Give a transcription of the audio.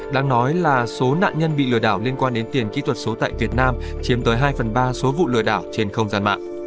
đang nói là số nạn nhân bị lừa đảo liên quan đến tiền kỹ thuật số tại việt nam chiếm tới hai phần ba số vụ lừa đảo trên không gian mạng